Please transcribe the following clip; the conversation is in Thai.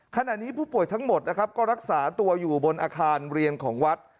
ขณะนี้ผู้ป่วยทั้งหมดนะครับก็รักษาตัวอยู่บนอาคารเรียนของวัด